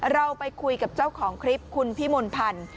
เราไปคุยกับเจ้าของคลิปคุณพี่มนต์พันธ์